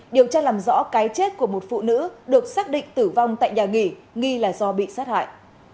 điều tra làm rõ cái chết của một phụ nữ được xác định tử vong tại nhà nghỉ nghi là do bị sát hại